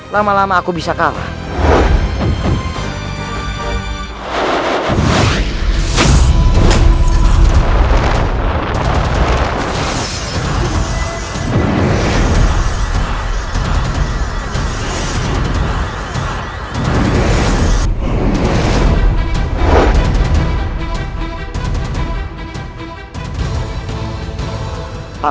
lama lama aku bisa kalah